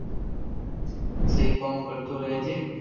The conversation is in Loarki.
سھي ڪوم ڪرتو رھجي